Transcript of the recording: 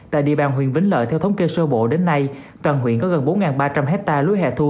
tại địa bàn huyện vĩnh lợi theo thống kê sơ bộ đến nay toàn huyện có gần bốn ba trăm linh hectare lúa hẻ thu